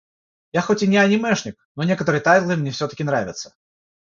Я хоть и не анимешник, но некоторые тайтлы мне всё-таки нравятся.